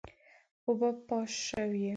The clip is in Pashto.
اوبه پاش شوې.